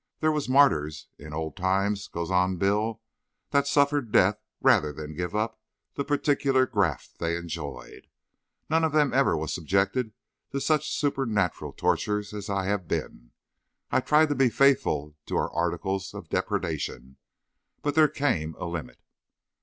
There was martyrs in old times," goes on Bill, "that suffered death rather than give up the particular graft they enjoyed. None of 'em ever was subjugated to such supernatural tortures as I have been. I tried to be faithful to our articles of depredation; but there came a limit."